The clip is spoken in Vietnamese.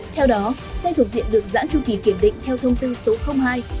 theo đó xe thuộc diện được giãn chu kỳ kiểm định theo thông tin số hai hai nghìn hai mươi ba